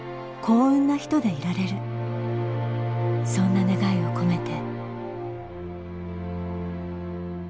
そんな願いを込めて。